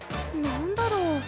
何だろう？